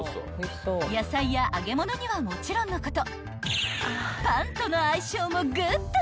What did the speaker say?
［野菜や揚げ物にはもちろんのこと］